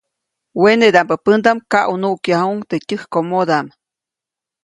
Wenedaʼmbä pändaʼm kaʼunuʼkyajuʼuŋ teʼ tyäjkomodaʼm.